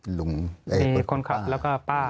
ลุงมีคนขับแล้วก็ป้า